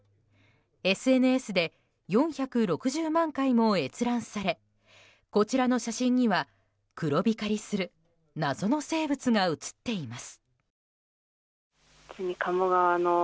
ＳＮＳで４６０万回も閲覧されこちらの写真には黒光りする謎の生物が写っています。